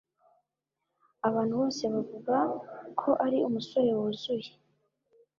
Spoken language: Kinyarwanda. Abantu bose bavuga ko ari umusore wuzuye